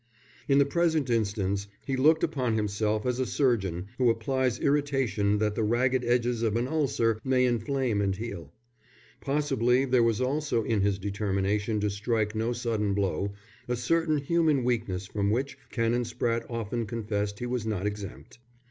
In the present instance he looked upon himself as a surgeon who applies irritation that the ragged edges of an ulcer may inflame and heal. Possibly there was also in his determination to strike no sudden blow, a certain human weakness from which Canon Spratte often confessed he was not exempt.